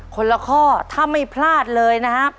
คนละข้อถ้าไม่พลาดเลยนะครับ